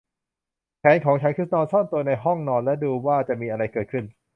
แผนของฉันคือนอนซ่อนตัวในห้องนอนและดูว่าจะมีอะไรเกิดขึ้น